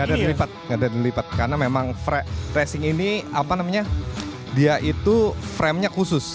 gak ada yang dilipet gak ada yang dilipet karena memang racing ini apa namanya dia itu framenya khusus